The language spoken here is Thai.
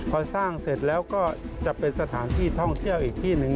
พอสร้างเสร็จแล้วก็จะเป็นสถานที่ท่องเที่ยวอีกที่หนึ่ง